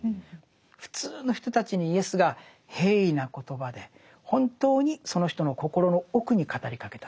普通の人たちにイエスが平易な言葉で本当にその人の心の奥に語りかけた。